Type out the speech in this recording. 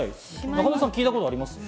仲野さん、聞いたことあります？